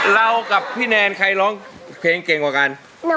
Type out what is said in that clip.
เรากับพี่แนนใครร้องเพลงเก่งกว่ากัน